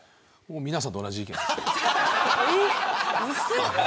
皆さんと同じ意見です。